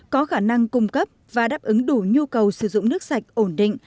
có khả năng cung cấp và đáp ứng đủ nhu cầu sử dụng nước sạch ổn định